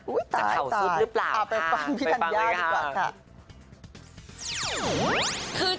อุ๊ยตายจะเข่าซึ้บหรือเปล่าค่ะอ้าวเป๊บพรุ่งพี่ธัญญาดีกว่าค่ะไปเลยค่ะ